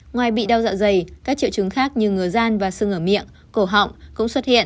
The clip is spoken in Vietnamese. ngoài bị đau dạo dày các triệu chứng khác như ngứa gian và sưng ở miệng cổ họng cũng xuất hiện